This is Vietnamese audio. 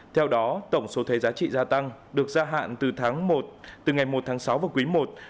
theo đó tổng số thuế giá trị gia tăng được gia hạn từ ngày một tháng sáu và quý một